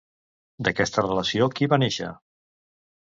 D'aquesta relació qui va néixer?